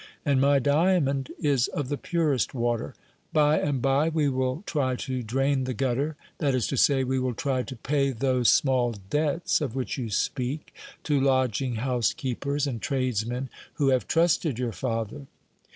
And my diamond is of the purest water. By and by we will try to drain the gutter that is to say, we will try to pay those small debts of which you speak, to lodging house keepers, and tradesmen who have trusted your father."